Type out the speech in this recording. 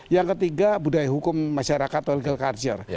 yang ketiga budaya hukum masyarakat atau legal culture